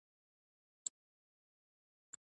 وسله رڼا تیاره کوي